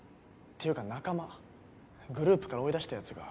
ていうか仲間グループから追い出したやつが